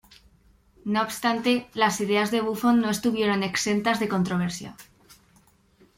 No obstante, las ideas de Buffon no estuvieron exentas de controversia.